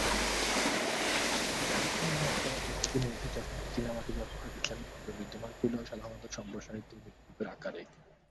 অষ্টম এবং অষ্টাদশ শতাব্দীর মধ্যে, চকচকে চীনামাটির ব্যবহার ইসলামী শিল্পে বিদ্যমান ছিল, সাধারণত সম্প্রসারিত মৃৎশিল্পের আকারে।